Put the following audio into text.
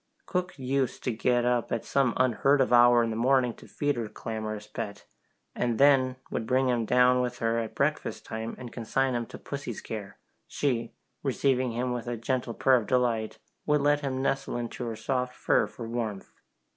Cook used to get up at some unheard of hour in the morning to feed her clamorous pet, and then would bring him down with her at breakfast time and consign him to pussy's care; she, receiving him with a gentle purr of delight, would let him nestle into her soft fur for warmth.